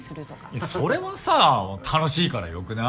いやそれはさ楽しいから良くない？